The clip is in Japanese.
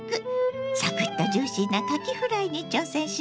サクッとジューシーなかきフライに挑戦しますよ。